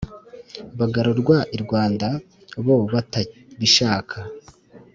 bagarurwa irwanda bo batabishaka